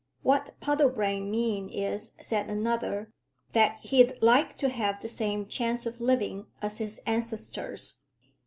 "What Puddlebrane means is," said another, "that he'd like to have the same chance of living as his ancestors."